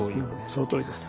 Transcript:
そのとおりです。